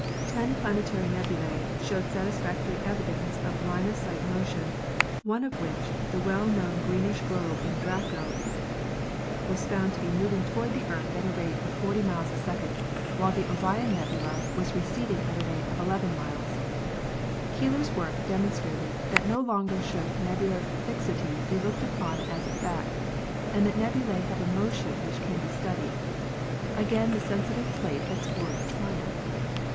Ten planetary nebulae showed satisfactory evidence of line of sight motion, one of which, the well known greenish globe in Draco, was found to be moving toward the Earth 300 ASTRONOMY at a rate of 40 miles a second, while the Orion nebula was receding at a rate of 11 miles. Keeler's work demonstrated that no longer should nebular fixity be looked upon as a fact and that nebulae have a motion which can be studied. Again the sensitive plate had scored a triumph.